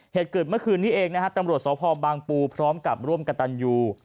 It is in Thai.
เหตุเกิดเมื่อคืนนี้เองนะฮะตำรวจสพบางปูพร้อมกับร่วมกระตันยู